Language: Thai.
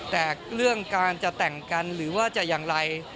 แต่เรื่องการจะแต่งกันหรือว่าจะอย่างไร